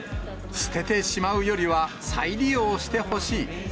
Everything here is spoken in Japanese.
捨ててしまうよりは、再利用してほしい。